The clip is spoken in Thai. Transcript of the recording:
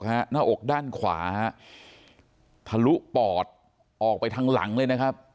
หน้าอกด้านขวาฮะทะลุปอดออกไปทางหลังเลยนะครับ